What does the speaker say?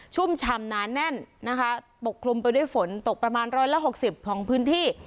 ุ่มชำนาแน่นนะคะปกคลุมไปด้วยฝนตกประมาณ๑๖๐ของพื้นที่